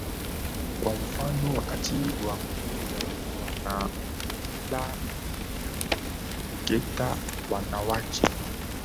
Kwa mfano wakati Wakurya wana mila ya kukeketa wanawake